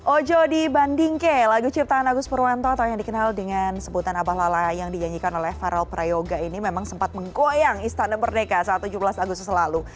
ojo di bandingke lagu ciptaan agus purwanto atau yang dikenal dengan sebutan abah lala yang dinyanyikan oleh farel prayoga ini memang sempat menggoyang istana merdeka saat tujuh belas agustus lalu